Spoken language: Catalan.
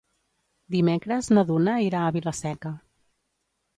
Dimecres na Duna irà a Vila-seca.